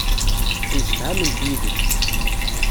Ttemsefhament yid-k.